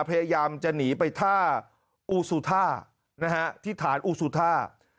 พยายามจะหนีไปท่าอูซูท่าที่ฐานอูซูท่า